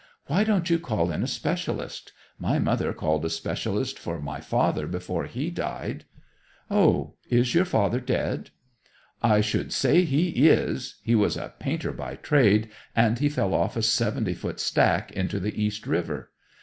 "Why don't you call in a specialist? My mother called a specialist for my father before he died." "Oh, is your father dead?" "I should say he is! He was a painter by trade, and he fell off a seventy foot stack into the East River.